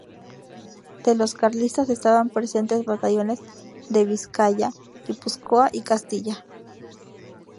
De los carlistas estaban presentes batallones de Vizcaya, Guipúzcoa y Castilla.